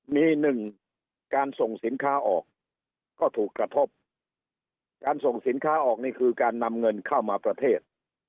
มีหนึ่งการส่งสินค้าออกก็ถูกกระทบการส่งสินค้าออกนี่คือการนำเงินเข้ามาประเทศ